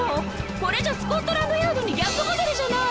これじゃスコットランドヤードに逆戻りじゃない！